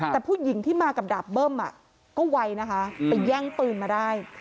แต่ผู้หญิงที่มากับดาบเบิ้มก็ไวนะคะไปแย่งปืนมาได้